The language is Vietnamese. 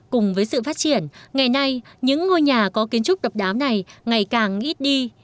cùng với sự phát triển ngày nay những ngôi nhà có kiến trúc độc đáo này ngày càng ít đi